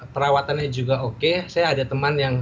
perawatannya juga oke saya ada teman yang